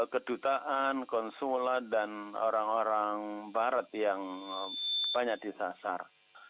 kedutaan konsulat dan orang orang barat yang banyak disasar